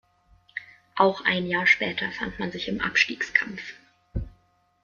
Auch ein Jahr später fand man sich im Abstiegskampf.